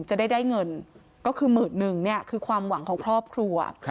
จะได้เงินก็คือหมื่นนึงเนี่ยคือความหวังของครอบครัว